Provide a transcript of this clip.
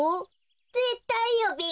ぜったいよべ。